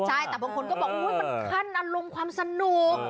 ใช่แต่บางคนก็บอกมันขั้นอารมณ์ความสนุก